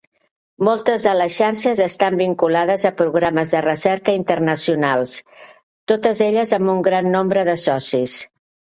Moltes de les xarxes estan vinculades a programes de recerca internacionals; totes elles amb un gran nombre de socis.